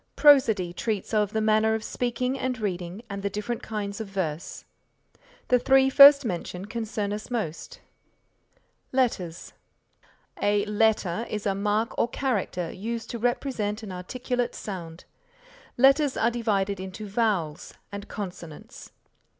Prosody treats of the manner of speaking and reading and the different kinds of verse. The three first mentioned concern us most. LETTERS A letter is a mark or character used to represent an articulate sound. Letters are divided into vowels and consonants.